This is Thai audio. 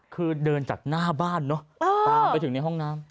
คือเดินจากหน้าบ้านเนอะตามไปถึงในห้องน้ำ